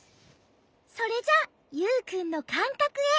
それじゃユウくんのかんかくへ。